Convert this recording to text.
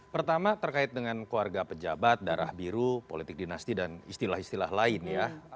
pertama terkait dengan keluarga pejabat darah biru politik dinasti dan istilah istilah lain ya